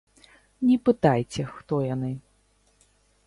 Не пытайце, хто яны.